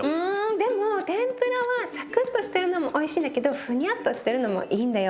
でも天ぷらはサクッとしてるのもおいしいんだけどフニャッとしてるのもいいんだよ。